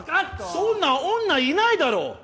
そんな女いないだろ！